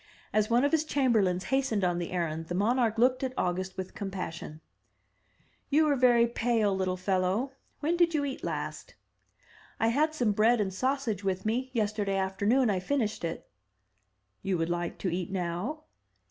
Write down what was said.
As one of his chamberlains hastened on the errand, the monarch looked at August with compassion. 310 THE TREASURE CHEST You are very pale, little fellow: when did you eat last?'* *I had some bread and sausage with me; yesterday after noon I finished it." "You would like to eat now?'